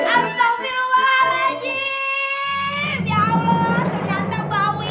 astagfirullahaladzim ya allah ternyata bau ituan